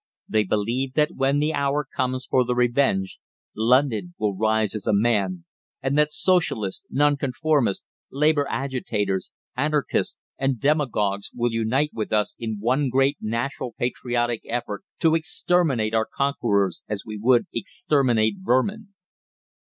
They believe that when the hour comes for the revenge, London will rise as a man, and that Socialists, Nonconformists, Labour agitators, Anarchists, and demagogues will unite with us in one great national patriotic effort to exterminate our conquerors as we would exterminate vermin.